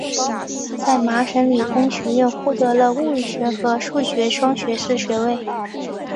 他在麻省理工学院获得了物理学和数学双学士学位。